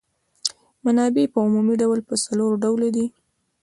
منابع په عمومي ډول په څلور ډوله دي.